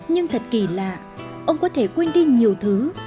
nhưng thật kỳ lạ ông có thể quên đi nhiều thứ